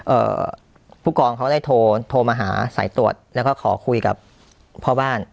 เอ่อผู้กองเขาได้โทรโทรมาหาสายตรวจแล้วก็ขอคุยกับพ่อบ้าน